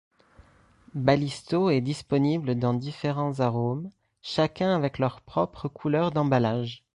Balisto est disponible dans différents arômes, chacun avec leur propre couleur d'emballage.